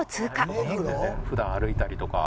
普段歩いたりとか？